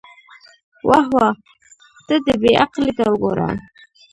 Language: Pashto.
واه واه، ته دې بې عقلۍ ته وګوره.